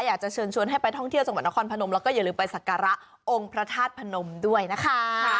อยากจะเชิญชวนให้ไปท่องเที่ยวจังหวัดนครพนมแล้วก็อย่าลืมไปสักการะองค์พระธาตุพนมด้วยนะคะ